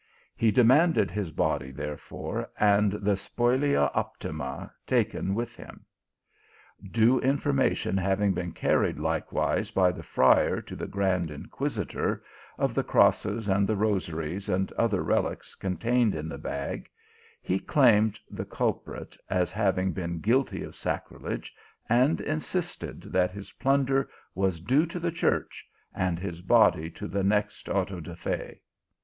He demanded his body therefore, and the spolia opima taken with him. Due information having been carried likewise by the friar to the grand In quisitor, of the crosses, and the rosaries, and other reliques contained in the bag, he claimed the culprit, as having been guilty of sacrilege, and insisted that his plunder was due to the church, and his body to GOVERNOR MANGO AND SOLDIER. 267 the next Auto da Fe.